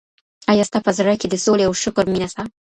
ایا ستا په زړه کي د سولي او شکر مینه سته؟